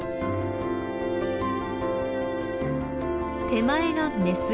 手前がメス。